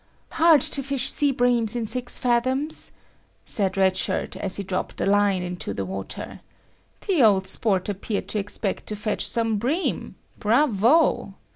"Hard to fish sea breams in six fathoms," said Red Shirt as he dropped a line into the water. The old sport appeared to expect to fetch some bream. Bravo!